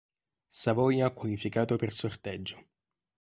Savoia qualificato per sorteggio"